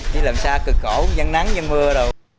đi làm xa cực khổ dân nắng dân mưa đâu